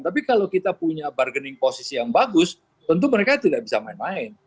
tapi kalau kita punya bargaining posisi yang bagus tentu mereka tidak bisa main main